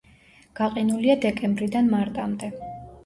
გაყინულია დეკემბრიდან მარტამდე.